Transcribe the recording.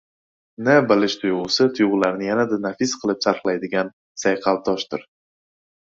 ni bilish tuyg‘usi — tuyg‘ularni yanada nafis qilib charxlaydigan sayqaltoshdir.